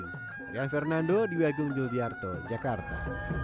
arian fernando di wagung juliarto jakarta